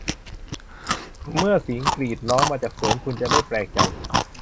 เมื่อเสียงกรีดร้องมาจากสวน คุณจะไม่แปลกใจ